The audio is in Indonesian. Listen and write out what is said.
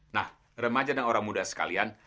nah remaja dan orang muda sekalian